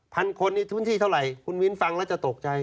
คนในพื้นที่เท่าไหร่คุณมิ้นฟังแล้วจะตกใจ